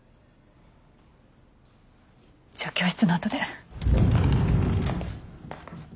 じゃあ教室のあとで。